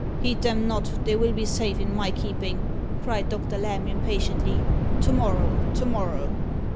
"Heed them not they will be safe in my keeping," cried Doctor Lamb impatiently; "to morrow to morrow."